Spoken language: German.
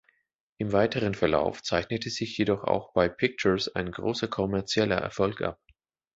Im weiteren Verlauf zeichnete sich jedoch auch bei "Pictures" ein großer kommerzieller Erfolg ab.